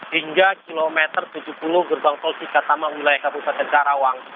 hingga kilometer tujuh puluh gerbang tol cikatama wilayah kabupaten karawang